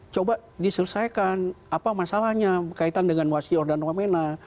coba diselesaikan apa masalahnya berkaitan dengan wasi ordan wamena